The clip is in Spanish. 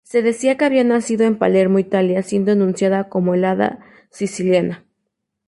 Se decía que había nacido en Palermo, Italia, siendo anunciada como el "Hada Siciliana".